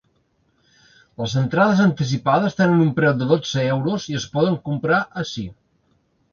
Les entrades anticipades tenen un preu de dotze euros i es poden comprar ací.